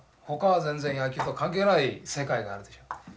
ほかは全然野球と関係ない世界があるでしょ。